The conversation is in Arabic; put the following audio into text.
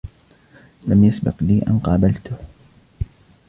لم يسبق لي أن قابلته.